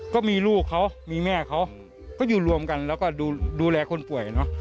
ก็มีลูกเขามีแม่เขาก็อยู่รวมกันแล้วก็ดูแลคนป่วยเนอะ